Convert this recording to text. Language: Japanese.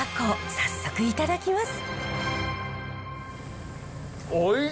早速いただきます。